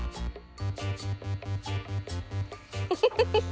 フフフフ。